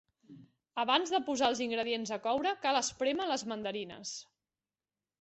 Abans de posar els ingredients a coure, cal esprémer les mandarines.